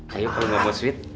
kalau gak mau sweet